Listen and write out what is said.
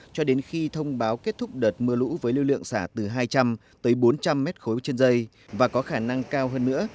cho đến khi thông báo kết thúc đợt mưa lũ với lưu lượng xả từ hai trăm linh tới bốn trăm linh mét khối trên dây và có khả năng cao hơn nữa